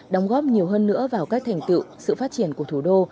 đóng góp nhiều hơn nữa vào các thành tựu sự phát triển của thủ đô